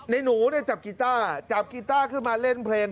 หนูเนี่ยจับกีต้าจับกีต้าขึ้นมาเล่นเพลง